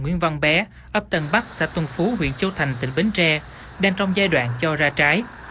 nguyễn văn bé ấp tân bắc xã tân phú huyện châu thành tỉnh bến tre đang trong giai đoạn cho ra trái